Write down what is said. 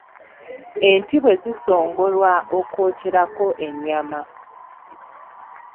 Enti bwe zisongolwa okwokyerako ennyama.